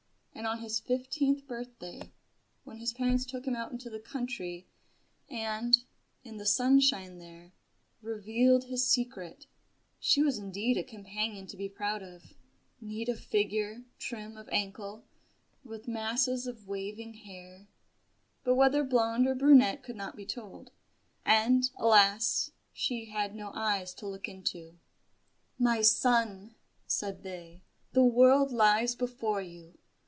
And on his fifteenth birthday, when his parents took him out into the country and, in the sunshine there, revealed his secret, she was indeed a companion to be proud of neat of figure, trim of ankle, with masses of waving hair; but whether blonde or brunette could not be told; and, alas! she had no eyes to look into. "My son," said they, "the world lies before you.